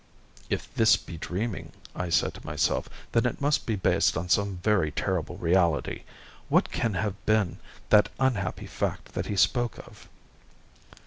"If this be dreaming," said I to myself, "then it must be based on some very terrible reality. What can have been that unhappy fact that he spoke of?"